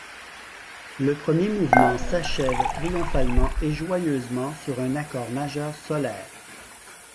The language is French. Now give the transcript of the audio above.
Le premier mouvement s'achève triomphalement et joyeusement sur un accord majeur solaire.